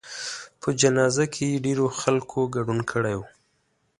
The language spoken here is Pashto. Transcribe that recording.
په جنازه کې یې ډېرو خلکو ګډون کړی و.